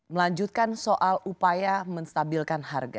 melanjutkan soal upaya menstabilkan harga